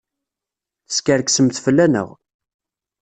Teskerksemt fell-aneɣ!